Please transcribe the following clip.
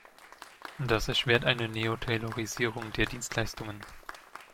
Das erschwert eine Neo-Taylorisierung der Dienstleistungen.